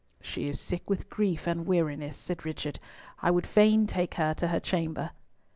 "She is sick with grief and weariness," said Richard. "I would fain take her to her chamber."